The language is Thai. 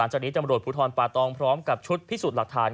จากนี้ตำรวจภูทรป่าตองพร้อมกับชุดพิสูจน์หลักฐาน